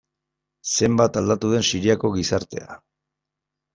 Zenbat aldatu den Siriako gizartea.